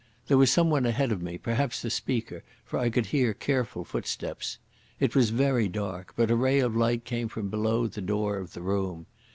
There was someone ahead of me, perhaps the speaker, for I could hear careful footsteps. It was very dark, but a ray of light came from below the door of the room.